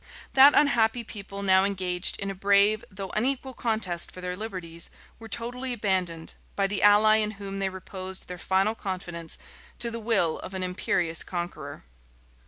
That unhappy people now engaged in a brave though unequal contest for their liberties, were totally abandoned, by the ally in whom they reposed their final confidence, to the will of an imperious conqueror.